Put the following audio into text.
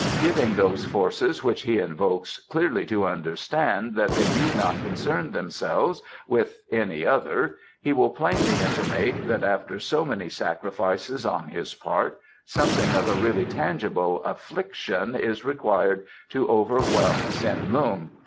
Giving those Forces which he invokes clearly to understand that they need not concern themselves with any other, he will plainly intimate that after so many sacrifices on his part something of a really tangible affliction is required to overwhelm Tsin Lung.